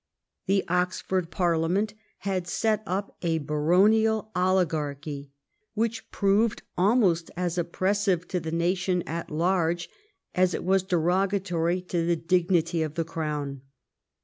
The Oxford Parlia ment had set up a baronial oligarchy, which proved almost as oppressive to the nation at large as it was derogatory to the dignity of the crown.